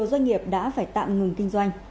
doanh nghiệp đã phải tạm ngừng kinh doanh